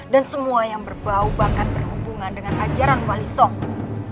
dan semua yang berbau bahkan berhubungan dengan ajaran wali songku